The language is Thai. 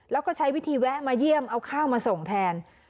แล้วก็ใช้วิธีแวะมาเยี่ยมเอาข้าวมาส่งแทน